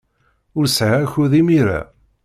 Ur sɛiɣ akud imir-a.